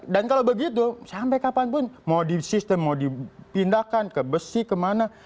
dan kalau begitu sampai kapanpun mau di sistem mau dipindahkan ke besi kemana